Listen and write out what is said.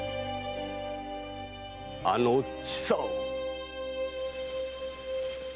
あの千佐を。